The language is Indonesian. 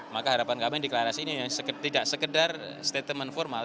maka harapan kami deklarasi ini tidak sekedar statement formal